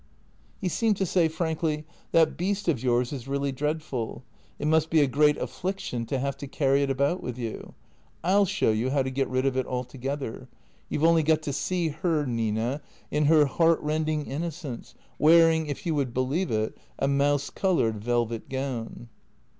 He seemed to say frankly, " That beast of yours is really dreadful. It must be a great affliction to have to carry it about with you. I '11 show you how to get rid of it altogether. You 've only got to see her, Nina, in her heartrending innocence, wearing, if you would believe it, a mouse coloured velvet gown."